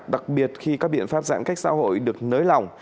đặc biệt khi các biện pháp giãn cách xã hội được nới lỏng